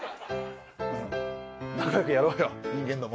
仲良くやろうよ人間ども。